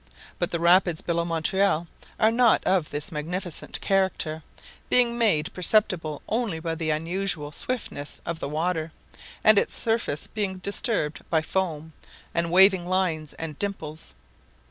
But the rapids below Montreal are not of this magnificent character, being made perceptible only by the unusual swiftness of the water, and its surface being disturbed by foam, and waving lines and dimples.